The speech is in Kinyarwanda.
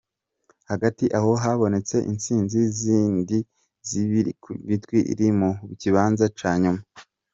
Hagati aho, habonetse intsinzi zindi zibiri ku migwi iri mu kibanza ca nyuma.